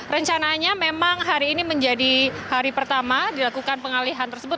rencananya memang hari ini menjadi hari pertama dilakukan pengalihan tersebut